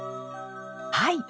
はい。